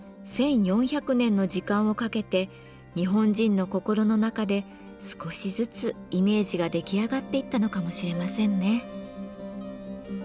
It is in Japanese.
１，４００年の時間をかけて日本人の心の中で少しずつイメージが出来上がっていったのかもしれませんね。